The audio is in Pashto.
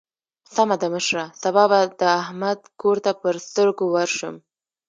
سمه ده مشره؛ سبا به د احمد کور ته پر سترګو ورشم.